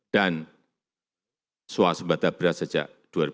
dan swasta berat sejak dua ribu sembilan belas